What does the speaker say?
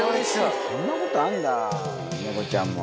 こんなことあるんだ猫ちゃんも。